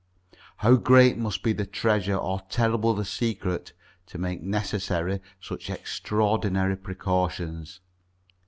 How great must be the treasure or terrible the secret to make necessary such extraordinary precautions!